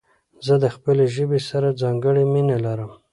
زه د خپلي ژبي سره ځانګړي مينه لرم.